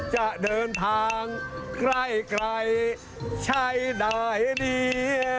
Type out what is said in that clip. จะเดินทางใกล้ใช้ได้ดี